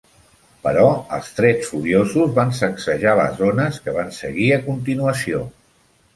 Però els trets furiosos van sacsejar les ones que van seguir a continuació.